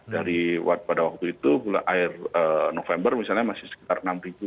dari pada waktu itu akhir november misalnya masih sekitar enam